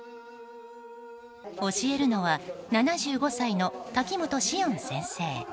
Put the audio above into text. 教えるのは７５歳の滝本紫苑先生。